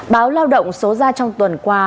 báo lao động số ra trong tuần qua